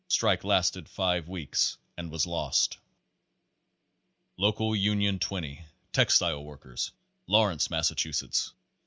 Strike lasted five weeks and was lost. Local Union 20, Textile Workers, Lawrence, Massa chusetts.